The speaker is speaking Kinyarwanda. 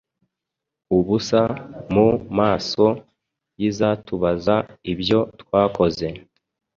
ubusa mu maso y’Izatubaza ibyo twakoze